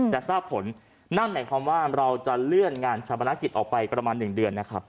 จะทราบผลนั่นหมายความว่าเราจะเลื่อนงานชาปนกิจออกไปประมาณ๑เดือนนะครับ